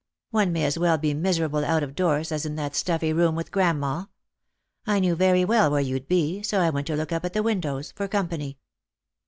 One may as well be miserable out of doors as in that stuffy room with grandma. I knew very well where you'd be, so I went to look up at the windows — for company."